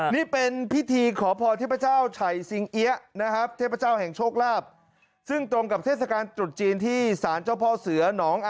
ไม่ทันใจใจเย็นใจเย็น